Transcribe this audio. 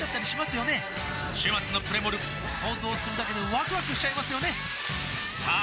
週末のプレモル想像するだけでワクワクしちゃいますよねさあ